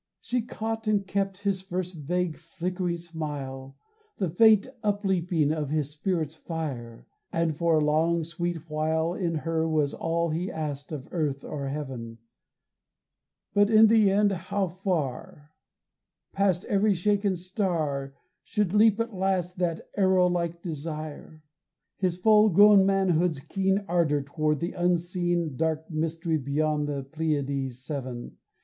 She caught and kept his first vague flickering smile, The faint upleaping of his spirit's fire; And for a long sweet while In her was all he asked of earth or heaven But in the end how far, Past every shaken star, Should leap at last that arrow like desire, His full grown manhood's keen Ardor toward the unseen Dark mystery beyond the Pleiads seven.